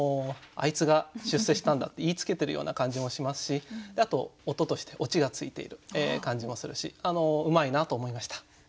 「あいつが出世したんだ」って言いつけてるような感じもしますしあと音としてオチがついている感じもするしうまいなと思いました。